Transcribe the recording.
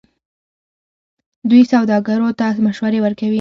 دوی سوداګرو ته مشورې ورکوي.